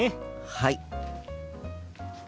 はい。